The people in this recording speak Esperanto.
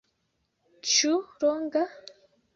Ĉu longa?